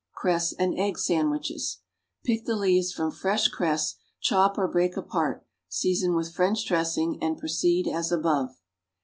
=Cress and Egg Sandwiches.= Pick the leaves from fresh cress, chop or break apart, season with French dressing, and proceed as above.